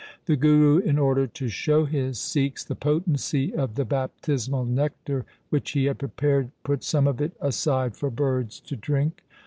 The Guru in order to show his Sikhs the potency of the baptismal nectar which he had prepared put some of it aside for birds to drink.